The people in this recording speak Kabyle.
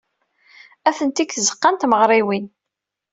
Atni deg tzeɣɣa n tmerɣiwin.